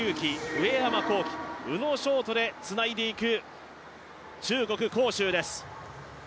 上山紘輝、宇野勝翔でつないでいく中国・杭州です。